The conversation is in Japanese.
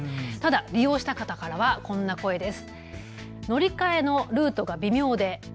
利用した方からはこんな声です。